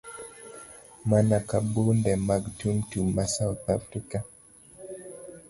Mana ka bunde mag Tum Tum ma South Afrika.